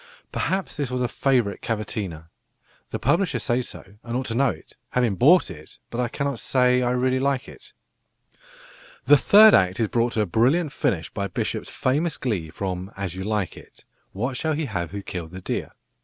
Perhaps this was a "favourite cavatina." The publisher says so, and ought to know, having bought it; but I cannot say I really like it. The third act is brought to a brilliant finish by Bishop's famous glee from As You Like It, "What shall he have who killed the deer?"